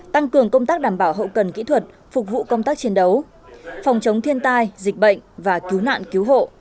tăng cường công tác đảm bảo hậu cần kỹ thuật phục vụ công tác chiến đấu phòng chống thiên tai dịch bệnh và cứu nạn cứu hộ